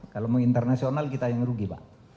kalau mau internasional kita yang rugi pak